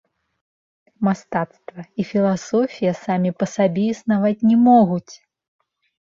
Мастацтва і філасофія самі па сабе існаваць не могуць.